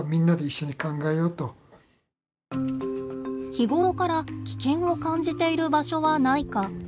日頃から危険を感じている場所はないか。